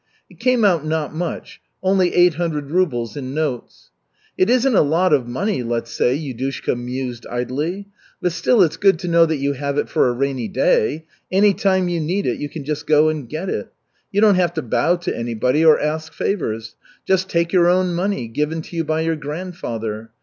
It came out not much only eight hundred rubles in notes. "It isn't a lot of money, let's say," Yudushka mused idly, "but still it's good to know that you have it for a rainy day. Any time you need it you can just go and get it. You don't have to bow to anybody, or ask favors just take your own money, given to you by your grandfather.